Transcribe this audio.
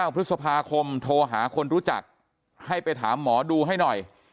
พฤษภาคมโทรหาคนรู้จักให้ไปถามหมอดูให้หน่อย